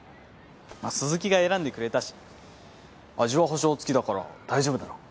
鈴木が選んでくれたし味は保障付きだから大丈夫だろう。